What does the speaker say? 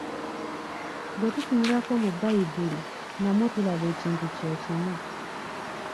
Bwe tutunulako mu Bbayibuli, namwo tulaba ekintu kye kimu.